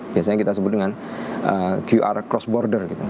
biasanya kita sebut dengan qr cross border gitu